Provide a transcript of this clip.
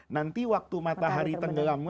nanti waktu matahari tenggelam